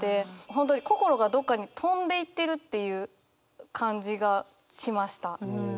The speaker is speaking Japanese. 本当に心がどっかに飛んでいってるっていう感じがしました。